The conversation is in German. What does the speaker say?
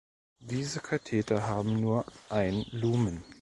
Diese Katheter haben nur ein Lumen.